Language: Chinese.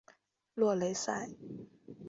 洛雷塞。